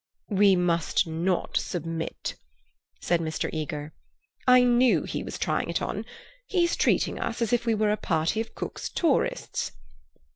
"We must not submit," said Mr. Eager. "I knew he was trying it on. He is treating us as if we were a party of Cook's tourists."